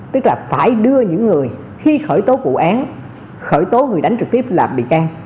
tức là phải đưa những người khi khởi tố vụ án khởi tố người đánh trực tiếp làm bị can